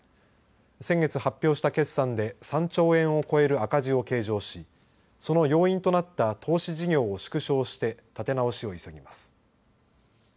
先月発表した決算で３兆円を超える赤字を計上しその要因となった投資事業を縮小して立て直しを急ぎます。